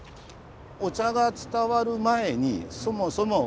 お茶が伝わる前にそもそもほお。